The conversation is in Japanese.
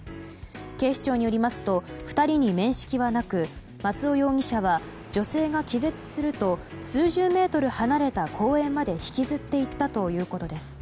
警視庁によりますと２人に面識はなく松尾容疑者は女性が気絶すると数十メートル離れた公園まで引きずっていったということです。